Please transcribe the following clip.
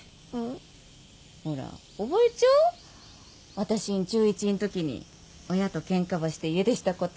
私ん中１んときに親とケンカばして家出したこと。